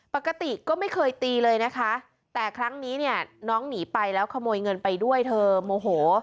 ปกติก็ไม่เคยตีเลยนะคะแต่ครั้งนี้เนี่ยน้องหนีไปแล้วขโมยเงินไปด้วยเธอโมโห